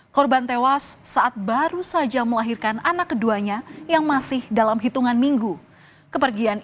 korban tewas saat baru saja melahirkan anak keduanya yang masih dalam hitungan minggu kepergian